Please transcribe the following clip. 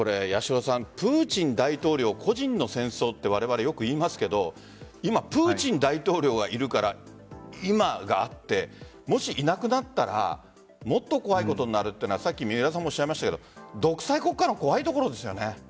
プーチン大統領個人の戦争ってわれわれ、よく言いますが今、プーチン大統領がいるから今があってもし、いなくなったらもっと怖いことになるというのはさっき三浦さんもおっしゃいましたが独裁国家の怖いところですよね。